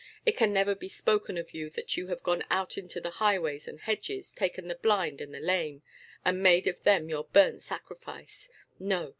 It can never be spoken of you that you have gone out into the highways and hedges, taken the blind and the lame, and made of them your burnt sacrifice. No.